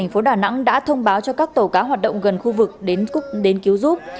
bộ chỉ huy bộ đội biên phòng tp đà nẵng đã thông báo cho các tàu cá hoạt động gần khu vực đến cứu giúp